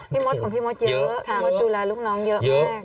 พี่มดของพี่มดเยอะถามว่าดูแลลูกน้องเยอะมาก